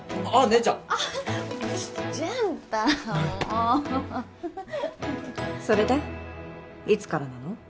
もうそれでいつからなの？